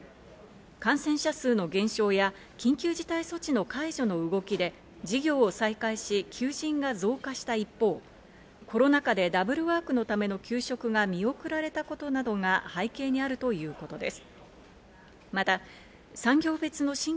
感染者数の減少や緊急事態措置の解除の動きで事業を再開し、求人が増加した一方、コロナ禍でダブルワークのための求職が見送られたことなどが背景にあるということです。